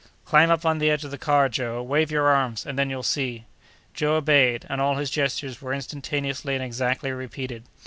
"Climb up on the edge of the car, Joe; wave your arms, and then you'll see." Joe obeyed, and all his gestures were instantaneously and exactly repeated.